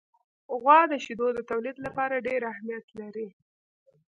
غوا د شیدو د تولید لپاره ډېر اهمیت لري.